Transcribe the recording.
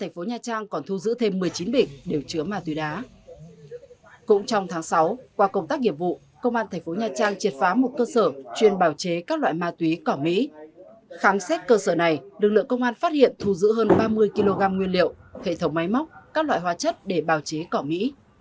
phát hiện thù giữ hơn ba mươi kg nguyên liệu hệ thống máy móc các loại hóa chất để bào chế cỏ mỹ